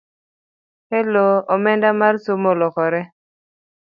Holo omenda mar somo olokore